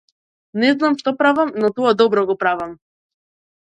Не знам што правам но тоа добро го правам.